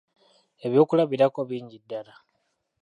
Ebyokulabirako bingi ddala.